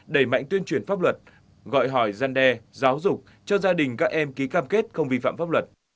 đẩy mạnh tuyên truyền pháp luật gọi hỏi gian đe giáo dục cho gia đình các em ký cam kết không vi phạm pháp luật